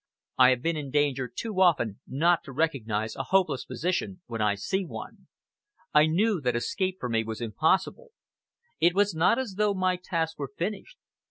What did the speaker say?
I have been in danger too often not to recognize a hopeless position when I see one. I knew that escape for me was impossible. It was not as though my task were finished.